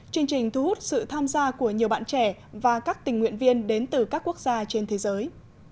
chương trình thu hút sự tham gia của nhiều bạn trẻ và các tình nguyện viên đến từ các quốc gia trên thế giới